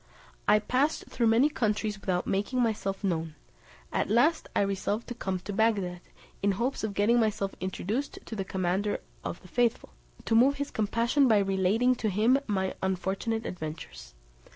I passed through many countries without making myself known; at last I resolved to come to Bagdad, in hopes of getting myself introduced to the commander of the faithful, to move his compassion by relating to him my unfortunate adventures.